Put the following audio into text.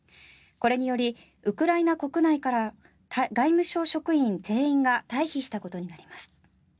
これにより、ウクライナ国内から外務省職員全員が退避したことになります。